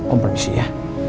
om permisi ya